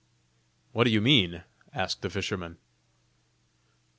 "What do you mean?" asked the fisherman.